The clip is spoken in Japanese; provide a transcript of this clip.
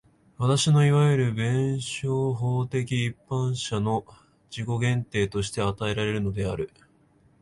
私のいわゆる弁証法的一般者の自己限定として与えられるのである。